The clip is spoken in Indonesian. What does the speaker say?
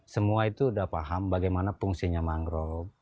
semua itu sudah paham bagaimana fungsinya mangrove